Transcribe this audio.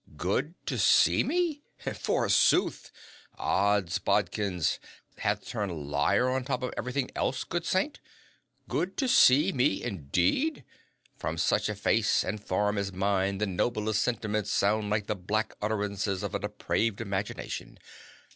"Good to see me? Forsooth! Od's bodkins! Hast turned liar on top of everything else, Good Saint? Good to see me, indeed! 'From such a face and form as mine, the noblest sentiments sound like the black utterances of a depraved imagination.'